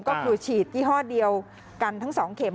ก็คือฉีดยี่ห้อเดียวกันทั้ง๒เข็ม